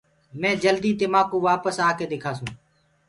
مي جلدي تمآڪو وآپس آڪي دِکآسونٚ۔